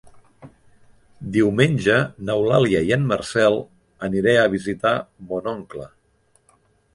Diumenge n'Eulàlia i en Marcel aniré a visitar mon oncle.